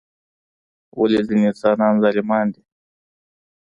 ولی ځینی انسانان ظالمان دي؟